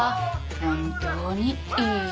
本当にいい人。